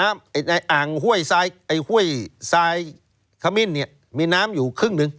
อ่างห้วยไฮขมิ้นมีน้ำอยู่ครึ่งหนึ่ง